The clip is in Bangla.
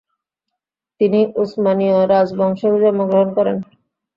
তিনি উসমানীয় রাজবংশে জন্মগ্রহণ করেন।